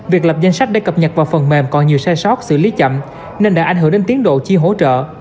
việc lập danh sách để cập nhật vào phần mềm còn nhiều sai sót xử lý chậm nên đã ảnh hưởng đến tiến độ chi hỗ trợ